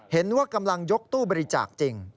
เห็นว่ากำลังยกตู้บริจาคจริง